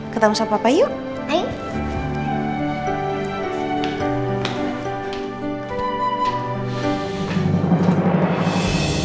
ketemu sama papa yuk